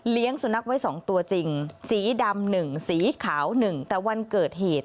เลี้ยงสุนัขไว้๒ตัวจริงสีดำ๑สีขาว๑แต่วันเกิดเหตุ